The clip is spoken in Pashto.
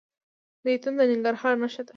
زیتون د ننګرهار نښه ده.